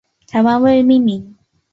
台湾未命名。